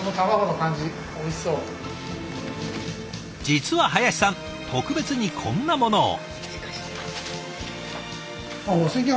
実は林さん特別にこんなものを。